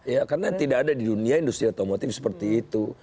ya karena tidak ada di dunia industri otomotif seperti itu